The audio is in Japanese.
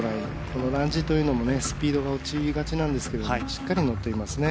このランジというのもねスピードが落ちがちなんですけれどもしっかり乗っていますね。